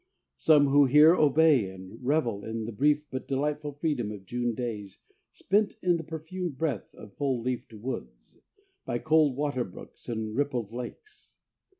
Some who hear, obey, and revel in the brief but delightful freedom of June days spent in the perfumed breath of full leafed woods, by cold water brooks and rippled lakes.